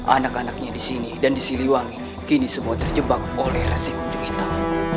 anak anaknya di sini dan di siliwangi kini semua terjebak oleh resep kunjung hitam